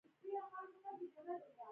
د خلکو بدۍ مې پر سر واخیستلې.